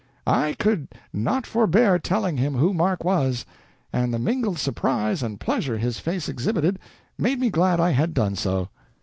"I could not forbear telling him who Mark was, and the mingled surprise and pleasure his face exhibited made me glad I had done so."